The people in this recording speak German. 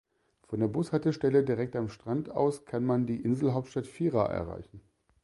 Von der Bushaltestelle direkt am Strand aus kann man die Inselhauptstadt Fira erreichen.